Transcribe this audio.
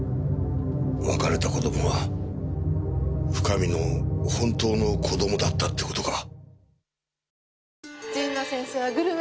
別れた子供は深見の本当の子供だったって事か。